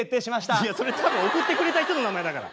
いやそれ多分送ってくれた人の名前だから。